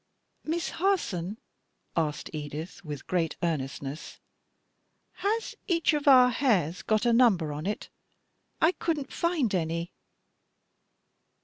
Isa. xvii. 6. "Miss Harson," asked Edith, with great earnestness, "has each of our hairs got a number on it? I couldn't find any."